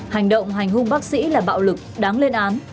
hành động hành hung bác sĩ là bạo lực đáng lên án